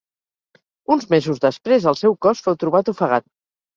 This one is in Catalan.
Uns mesos després el seu cos fou trobat ofegat.